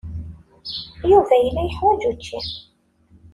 Yuba yella yeḥwaj učči.